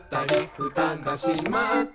「ふたが閉まったり」